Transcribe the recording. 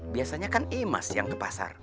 biasanya kan imas yang ke pasar